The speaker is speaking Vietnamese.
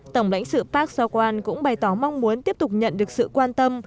tổng lãnh sự park so hwan cũng bày tỏ mong muốn tiếp tục nhận được sự quan tâm